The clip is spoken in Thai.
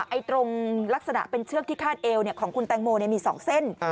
ตรงลักษณะเป็นเชือกที่คาดเอวของคุณแตงโมมี๒เส้น